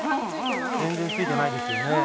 全然ついてないですよね。